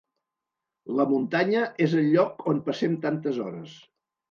La muntanya és el lloc on passem tantes hores.